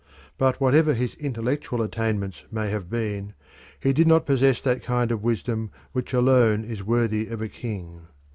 But whatever his intellectual attainments may have been, he did not possess that kind of wisdom which alone is worthy of a king.